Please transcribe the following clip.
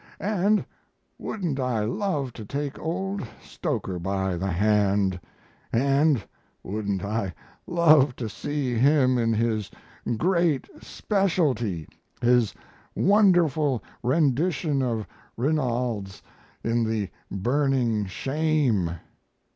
And wouldn't I love to take old Stoker by the hand, and wouldn't I love to see him in his great specialty, his wonderful rendition of Rinalds in the "Burning Shame!"